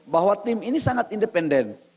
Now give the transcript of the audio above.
bahwa tim ini sangat independen